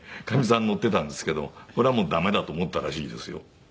かみさん乗ってたんですけどこれはもう駄目だと思ったらしいですよ。